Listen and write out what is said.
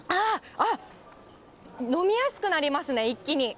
あっ、飲みやすくなりますね、一気に。